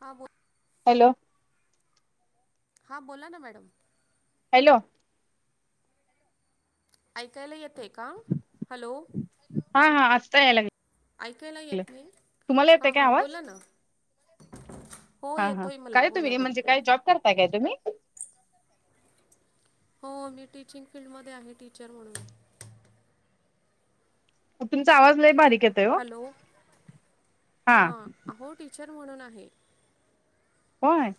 हां बोल. हॅलो. हां बोला ना मॅडम. हॅलो. ऐकायला येतं आहे का हॅलो. हा हा आत्ता यायला लागला. ऐकायला येत नाही तुम्हाला येतय हा काय हा आवाज बोला ना. हो हा हा येतोय मला काय बोला तुम्ही म्हणजे बोला काय जॉब करताय काय तुम्ही. हो मी टीचिंग फील्डमध्येध्ये आहे टीचर म्हणून. तुमचा आवाज नाही बारीक आहे. हॅलो हां अहो टीचर म्हणून आहे. होय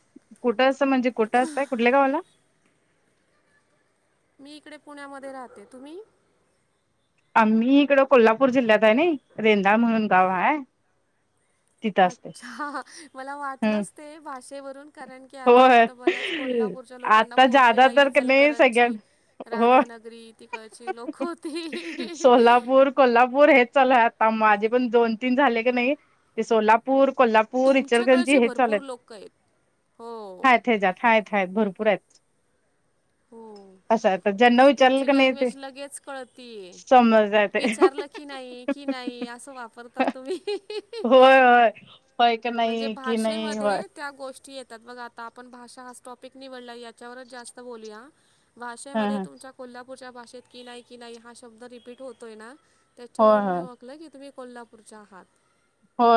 कुठं असं म्हणजे कुठं असतंय कुठल्या गावाला. मी इकडे पुण्यामध्ये राहते तुम्ही. आम्ही इकडं कोल्हापूर जिल्ह्यात आहे ना रेंदाळ म्हणून गाव हा. अच्छा मला हम् वाटलंच ते भाषेवरून. कारण की होय आतापर्यंत बऱ्याच कोल्हापूरच्या लोकांना आता फोन जादा केला तर क नाही सगळ्यां इचलकरंजी. हो राधानगरी ती कची लोक होती. सोलापूर कोल्हापूर हे चालय आता माझे पण दोन तीन झाले की नाही ते सोलापूर कोल्हापूर. पूर इचलगंजी हे चालेत. ओके. हाय हे जात हाय हाय भरपूर आहेत. हो असं आता आणि ज्यांना ते विचारलं तुमची का नाही ते लँग्वेज लगेच कळते समजतय ते. विचार. कि नाही की नाही असं वापरतात तुम्ही. होय हय. म्हणजे भाषेमध्ये त्या गोष्टी येतात बघ आ. आता आपण भाषा हा टॉपिक निवडला याच्यावरच जास्त बोलूया ह भाषेमध्ये ह तुमच्या. कोल्हापूरच्या भाषेत की नाही की नाही हा शब्द रिपीट होतोय ना होय त्याच्यावरून मी होय. शलं की तुम्ही कोल्हापूरच्या आहात. हो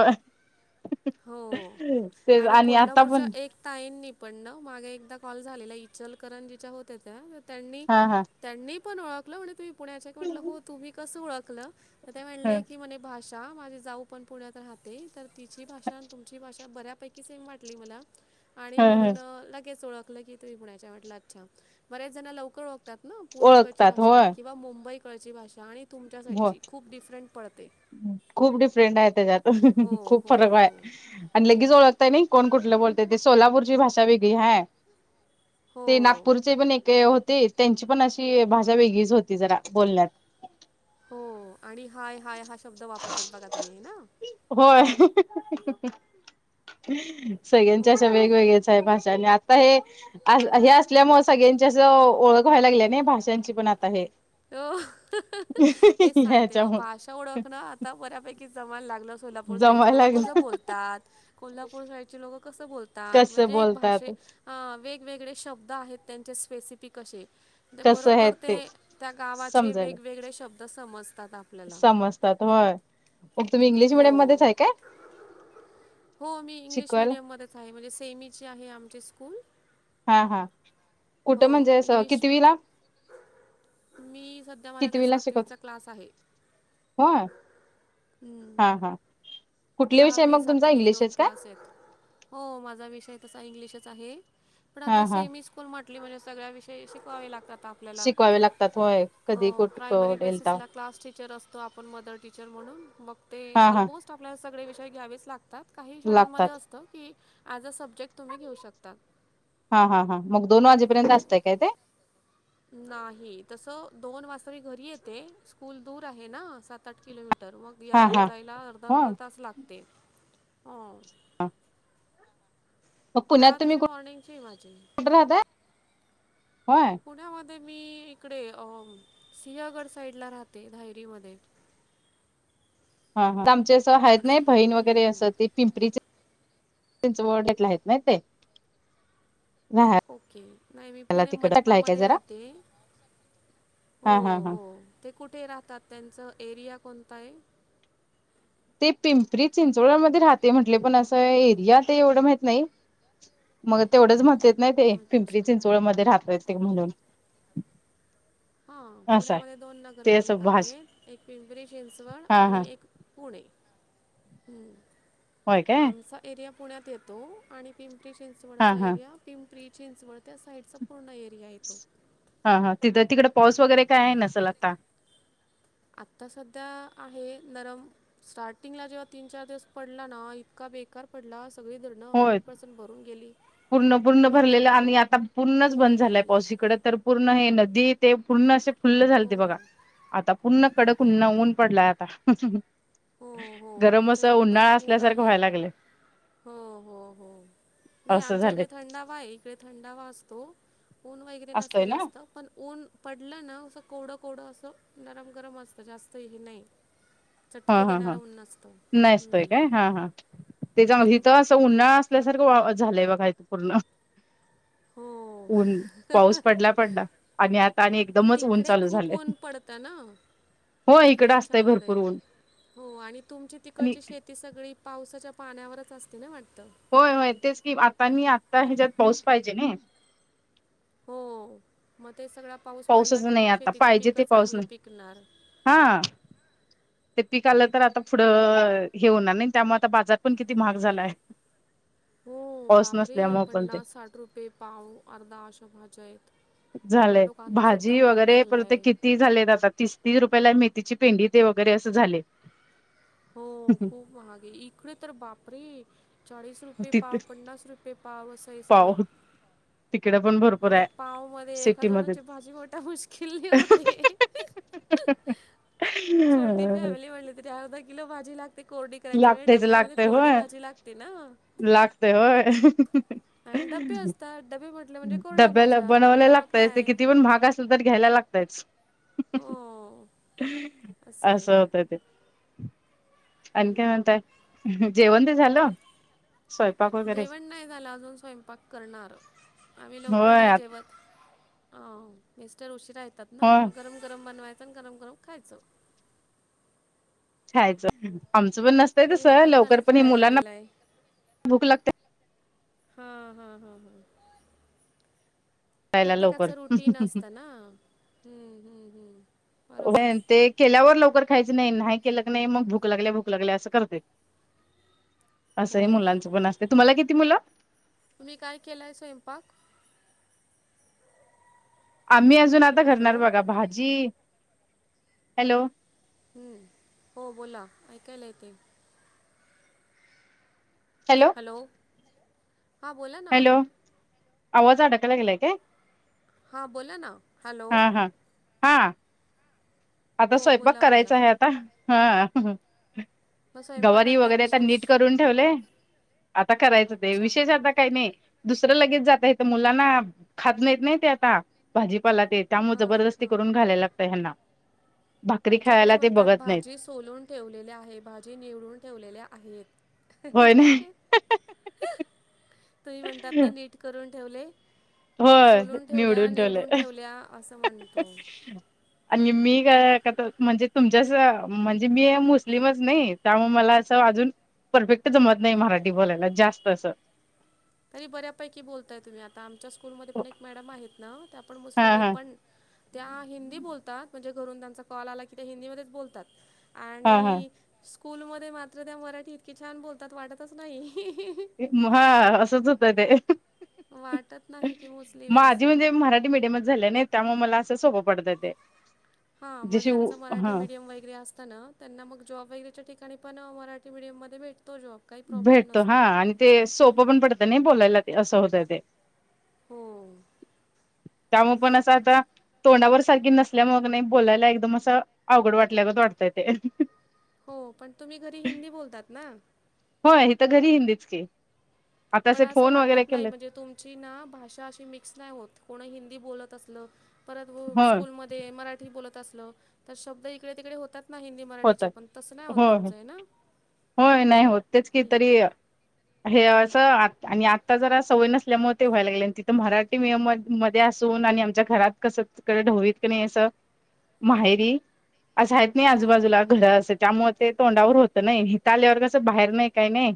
हो. तेच आणि आता पण ताईननी पणण मागे एकदा कॉल झालेला इचलकरन जिच्या होत्या त्या त्यांनी हा हा. त्यांनी पण ओळखलं म्हण तुम्ही पुण्याच्या क म्हटलं हो तुम्ही कसं ओळखलं तर ह म्हणय की भाष माझे जाऊ पण पुण्यात राहते तर तिची भाषा ब्यापै स वा म आणि ह ह म्हणूने ण्याटचछ बेच ज लवकर ळतात ना पुण्याची ओळखतात भाषा होय. किं मुंबई कळची भाषा आणि तुमच्या हो साईडची खूप िफरंट पळते खूप डिफरेंट आहे त्याच्यातून खूप हो, फरक आहे हो. आणि लगेच ओळखतय नाही कोण कुठलं बोलतय ते सोलापूरची भाषा वेगळी है ते हो. नागपूरचे पण एक होते त्यांची पण अशी भाषा वेगळीच होती जरा बोलण्यात हो आणि हाय हाय हा शब्द वापरतात बघा तुम्ही ना होय. सगळ्यांच्या हो अशा वेगवेगळ्याच आहे भाषा आणि. आ हे हे असल्यामुळे सगळ्यांची असं ओळख व्हाय लागली ना भाषांची पण आता हे हो तेच सांगते मग ह्याच्यामुळे भाषा ओळख ना आता बऱ्यापैकी जमाला लागलं सोलापूर साईडची जमायला लोकं कसं लागलं बोलतात कोल्हापूर साईडचे लोकं कसं बोलतात कसं म्हणजे एक भाषे बोलतात वेगवेगळे शब्द आहेत त्यांचे स्पेसिफिक असे ते कसं आहेत बरोबर ते त्या गावाचे समजायला वेगवेगळे शब्द समजतात आपल्याला समजतात होय मग तमही इंग्िश हो मिडडीयमध्येच आहे का हो मी इंग्लिश शिकवायला मिीडियम मध्येच आहे म्हणजे सेमीची आहे आमचे स्कूल हा हा कुठं हो म्हणजे अस इंग्लिश किती वला मी सध्या माझ्या काही सातवीचा क्लास आहे होय हा हा कुठले विषय सहावी मग तुमचा सातवी दोन इंग्लिशच काय क्लास आहेत हो माझा विषय तसा इंग्लिशच आहे पण हा आता हा सेमी स्कूल म आप म्हणजे सगळ्या विषय शिकवावे लागतात आप शिकवावे लागतात होय कधी कुठ प्रायमरी डेलता बेसिसला क्लास टीचर असतो आपण मदर टीचर म्हणून मग ते हा हा ऑलमोस्ट आपल्या सगळे विषय घ्यावेच लागतात काही शाळांमध्ये लागतात अस की ॲज अ सब्जेक्ट तुम्ही घेऊ शकतात हा हा हां मग दोन वाजेपर्यंत असतंय काय ते नाही तस दोन वाजता मी घरी येते स्कूल दूर आहे ना सात आठ किलोमीटर मग मी हा यायला हा जायला अर्धा हो. अर्धा तास लागते हो हा शळ तशी मॉर्निंगची हिमाच कुठे राहताय? होय पुण्यामध्ये मी इकडे अ सिहगड साईड ला राहते धायरी मध्ये हा आमचे अस आहेत नाही बहीण वगैरे असं ती पिंपरीचे त्यां वर्डेतला आहेत ना ते राहायला ओके नाही मी पुणे तिकड आहे काय मनपामध्ये जरा. राहते हो हा हा हा. हो ते कुठे राहतात त्यांचं एरिया कोणता आहे ते पिंपरी चिंचवडमध्येध्ये राहते म्हटले पण असं एरिया ते एवढं माहत नाही मग तेवढंच म्हटलेेत नाही ते अच्छा पिंपरी चिंचवड मध्ये राह ते म्हणून हा असं आहे पुण्यामध्ये दोन ते असं नगरपालिका भाष आहेत एक पिंपरी चिंचवड हा हा आणि एक पुणे होय काय आमचा एरिया पुण्यात येतो आणि पिंपरी हा चिंचवडचा हा. एरिया पिंपरी चिंचवड त्या साईडचा पूर्ण एरिया येतो हा हा तिथं तिकडडे पाऊस वगैरे काय आहे नसेल आता आता सध्या आहे नरम स्टार्टिंग ला जेव्हा तीन चार दिवस पडला ना इतका बेकार पडला सगळी दड न हंड्रेड होय पर्सेंट भरून गेली पूर्ण पूर्ण इतका भरलेलं आणि खूप आता पूर्णच खूप बंद झालंय पडला पावसकडे तर पूर्ण हे नदी ते पूर्ण अस खुल्ल झाल हो ते बघा आता पुूर्ण कडकन नऊन पडलाय आता हो हो गरम आमच्या असं इकडे पण उन्हाळा ऊन असल्यासारखं आहे व्हायला लागलंय हो हो हो नाही असं आमच्या झालंय इकडे थंडावा आहे इकडे थंडावा असतो ऊन वगैरे नसतं असतोय ना जास्त पण ऊन पडलं ना असं कोवडं कोवडं असं गरम गरम असतं जास्त हे नाही हा चटके हा हा देणारं ऊन नसतं नाहीसतय हम्म. काय हा हा त्याच्यामध्ये हथ उन्हाळा असल्यासारखं वा झालंय ब काही पूर्ण हो ऊन पाऊस पडला पडला आणि आता आणि एकदमच ऊन तिकडे चालू खूप झाले ऊन पडतं ना हो इकडं असतंय त्याच्यामुळे भरपूर ऊन हो आणि तुमची आणि तिकडची शेती सगळी पावसाच्या पाण्यावरच असते ना वाटतं होय होय तेच की आता आणि आता ह्याच्यात पाऊस पाहिजे न हो मग ते सगळा पाऊस पडला पाऊसच की नाही मग आता शेतीची पाहिजे पीक ते पाऊस चांगली नाही पिकणार हा ते पीिक आलं तर आता पुढं हे होणार नाही त्यामुळे आता बाजार पण किती महाग झालाय [unintelligible] हो पाऊस बापरे नसल्यामुळे पण ते पन्नास साठ रुपये पाऊ अर्ध्या अशा भाज्या आहेत झालंय टोमॅटो कांदा सुद्धा भाजी महाग वगैरे झाला पण ते आहे किती झाले आता तीस तीस रुपयाला मेथीची पेंडी ते वगैरे असं झाले हो खूप महाग आहे इकडे तर बापरे चचाळीस रुपये पाव तिथे पं्नास रुपये पाव वसई पाव सळो तिकडे पण भर म पाव मध्ये एखा जणाची भाजी मोठ्या मुश्किल होते ह छोटी फॅमिली म्हणली तरी अर्धा किलो भाजी लागते ते कोरडी करायची म्हणजे लागतयच डब्यांमध्ये कोरडी भाजी लागते ना लागते होय आणि डबे असतात डबे म्हटले म्हणजे कोरड्या डबब्याला भाज्या बनवला म्हणजे मग लाग काय किती पण भाग अस र घ्यायला लागतयच हो. असं होत ते आणि काय म्हणताय जेवण ते झालं स्व जेवण नाही झालं अजून स्वयंपाक करणार आम्ही लवकर नाही होय जेवत अ मिेस्टर उशीराहतात ना होय मग गरम गरम बनवायचं आणि गरम गरम खायचं छयचं आमचं पण नसतय तस मुलगा लवकर खाली पण ह खेळायला मुलांना गेलाय. भूक लागते हा हा हा हा खायला लवकर प्रत्येकाचं रुटीन असतं नाम्मम्म्म ते केल्यावर लवकर खायच नाही नाही केलं क नाही मग भूक लागल्या भूक लागल्या असं करते असंही हो. मुलांचं पण असते तुम्हाला किती मुलं तुम्ही काय केलंय स्वयंपाक आम्ही अजून आता हॅलो घरणार बघा भाजी हॅलो हो बोला ऐकायला येते हॅलो हॅलो हां बोला ना हॅलो आवाज अडाकायला गेलाय का हां बोला ना हॅलो हा आता हो स्वयंपाक बोला बोला करायचा आहे आता हा मग स्वयंपाकात गवारी काय वगैरे आता विशेष नीट करून ठेवले आता करायचं ते अच्छा विशेष आता काही नाही दुसरं लगेच जात आहे तर मुलांना खात नाही येत नाही ते आता भाजीपालातेत त्यामुळे हां जबरदस्ती हां करून घालायला लागत ह्यांना भाकरी आमच्याकडे खायला ते म्हणतात बघत नाहीत भाजी सोलून ठेवलेले आहे भाजी निवडून ठेवलेल्या आहेत होय नाही तुम्ही म्हणतात ना नीट करून ठेवले होय सोलून ठेवल्या ठेवलंय निवडून ठेवल्या असं म्हणतो आणि मी काय का म्हणजे तुमच्याच म्हणजे मी मुस्लिमच नाही त्यामुळे मला असं अजून परफेक्ट जमत नाही मराठी बोलायला जास्त अस तरी बऱ्यापैकी बोलताय तुम्ही आता आमच्या स्कूलमध्ये पण एक मॅडम आहेत ना आपण हा मुस्लिम येत हा पण त्या हिंदी बोलतात म्हणजे घरून त्यांचा कॉल आला की त्या हिंदीमध्येच बोलतात हा हा आणि स्कूलमध्ये मात्र त्या मराठी इतकी छान बोलतात वाटतच नाही हा असंच होतं ते वाटत नाही की मुस्लिम आहे माझी असं म्हणजे मराठी मीडियमच झाल्या नाही त्यामुळे मला असं सोपं पडतं ते हा मग जशी ज्यांचं मराठी हा मिीडयम वगैरे असत त्यांना मग जॉब वगैरेच्या ठिकाणी पण मराठी मिीडियम मध्ये भेटतो जॉब काही प्रॉब्लेम भेटतो हा नसतो आणि ते सोपं पण पडतं नाही बोलायला ते असं होतय ते हो त्यामुळे पण असं आता तोंडावर सारखी नसल्या मग नाही बोलायला एकदम असं अवघड वाटल्यागत वाटतय ते हो पण तुम्ही घरी हिंदी बोलतात ना हो आहे तर घरी हिंदीच के पण असं वाटत नाही म्हणजे तुम ना भाषा अशी मिक्स नाही होत कोण हिंदी बोलत असलं पर होय स्कूलमध्ये ते मराठी बोलत असलं तर शब्द इकडे तिकडे होतात नाही हिंदी मराठीचे होतात. पण तसं नाही आत होय तुमचं आहे ना होय नाही होतेच की हे- तरी हे असं आणि आत्ता जरा सवय नसल्यामुळे ते व्हायला लागले आणि तिथं मराठी मियम मध्ये असून आणि आमच्या घरात कस क ढववीत क नाही असं माहेरी अस आहेत नाही हो आजूबाजूला घर असं त्यामुळे ते तोंडावर होत नाही हिता आल्यावर कसं बाहेर नाही काही नाही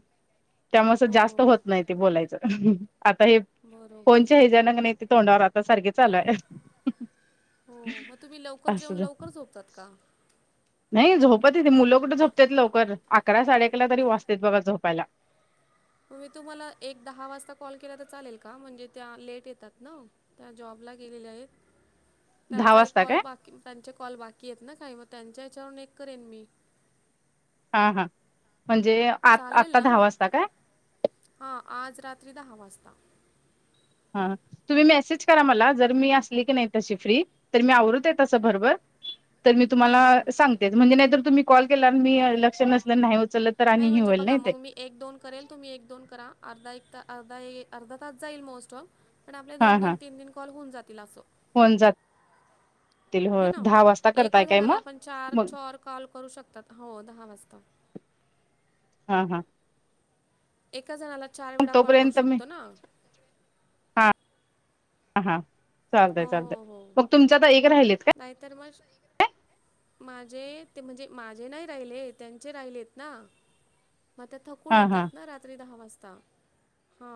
त्यामुळेस जास्त हो होत नाही ते बोलायचं आता हे बरोबर कोणच्या नक नाही ते तोंडावर आता सारखे चालूय हो मग तुम्ही लवकर जेऊन लवकर झोपतात का नाही झोपत येते मुलं कुठं झोपतेत लवकर अकरा साडे अकला तरी वाचते बघा झोपायला मी तुम्हाला एक दहा वाजता कॉल केला तर चालेल का म्हणजे त्या लेट येतात ना त्या जॉबला गेलेल्या आहेत [unintelligible] त्यांचा एक कॉल काय बाकी त्यांचे कॉल बाकी आहेत ना काही मग त्यांच्या हच्यावरून एक करेन मी हा हा म्हणजे आ चालेल आत्ता ना दहा वाजता काय हा आज रात्री दहा वाजता हा तुम्ही मेसेज करा मला जर मी असली की नाही तशी फ्री तर मी आवरत आहे तसं बरोबर तर मी तुम्हाला हम्म हम्म. सांगतेच म्हणजे नाहीर तुम्ही कॉल केला मी अस नाही उचललं तर आणिही म्हणजे होईल बघा नाही ते मग मी एक दोन करेल तुम्ही एक दोन करा अर्धा एक अर्ा अर्धा तास जाईल मोस्ट ऑफ पण आपले दोन दोन तीन तीन कॉल होऊनातील असं होन जात हे ना एका करताय काय जणाला मग आपण चार मग चर कॉल करू शकतात हो दहा वाजता हा हा एका जणाला चार मग वेळा कॉल करू तोपर्यंत मी शकतो ना हा हा हो चालतंय चालतंय हो हो मग तुमच तर एक राहिलेच काय नाहीतर मग माझे ते म्हणजे माझे नाही राहिले त्यांचे राहिलेत ना मग त्या थकून हा येतात, हा ना रात्री दहा वाजता हा.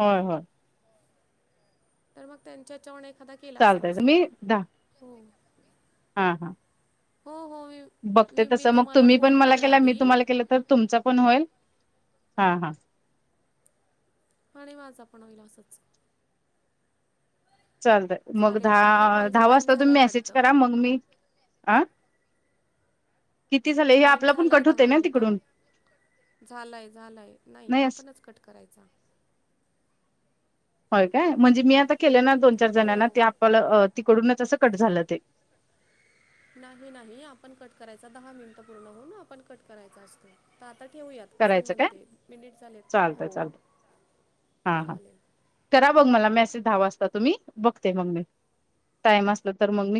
होय होय. तर मग त्यांच्या ह्याच्यावन एखादा केला असता, चालतय सो मी द हो हा हा. हो हो [unintelligible] बघते तस मी मग तुम्हाला तुम्ही, पण फोन मला करेल केला मी आधी तुम्हाला केला, तर तुमच पण होईल हा हां. आणि माझा पण होईल असंच. चालतंय मग चालेल आपला दहा कॉलचा दहा टाईम वाजता तुम्ही झालाय मेसेज वाटतं करा, मग मी आं. टाइम झालाय, दहा मिनिटं. झालायं झालायं नाही, आपणच कट करायचा. होय, काय म्हणजे, मी आता केले ना दोन चार हो जणांना ते आपल्याला तिकडूनच असं कट झालं ते. नाही नाही आपण कट करायचा दहा मिनिटं पूर्ण होऊन, आपण कट करायचा असतो. तर आता ठेवूयात असं मी करायचं काय म्हणते, मिनिट झालेत ना चालतय हो चालतय हा हा चालेल. करा बघ मला मेसेज दहा वाजता तुम्ही, बघते मग मी टाइम असला तर मग मी